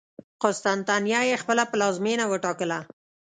قسطنطنیه یې خپله پلازمېنه وټاکله.